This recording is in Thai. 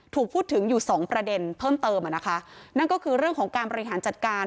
ถูกพูดถึงอยู่สองประเด็นเพิ่มเติมอ่ะนะคะนั่นก็คือเรื่องของการบริหารจัดการ